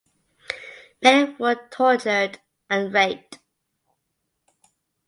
Many were tortured and raped.